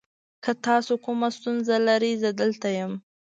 که تاسو کومه ستونزه لرئ، زه دلته یم.